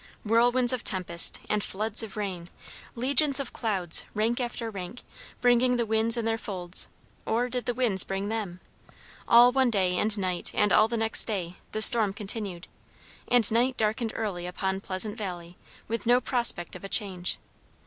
Whirlwinds of tempest, and floods of rain; legions of clouds, rank after rank, bringing the winds in their folds; or did the winds bring them? All one day and night and all the next day, the storm continued; and night darkened early upon Pleasant Valley with no prospect of a change.